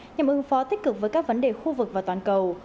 nhằm ứng phó tích cực với các vấn đề khu vực và toàn cầu